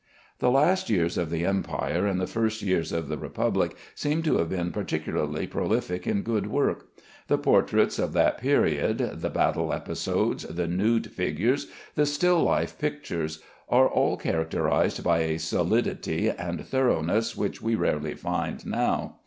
The last years of the Empire and the first years of the Republic seem to have been particularly prolific in good work. The portraits of that period, the battle episodes, the nude figures, the still life pictures, are all characterized by a solidity and thoroughness which we rarely find now.